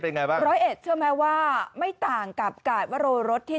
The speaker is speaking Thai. เป็นไงบ้างร้อยเอ็ดเสื่อไหมว่าไม่ต่างกับกาลิปรโลยีรถที่